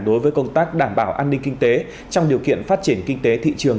đối với công tác đảm bảo an ninh kinh tế trong điều kiện phát triển kinh tế thị trường